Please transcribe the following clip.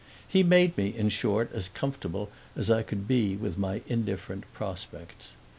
He made me in short as comfortable as I could be with my indifferent prospects.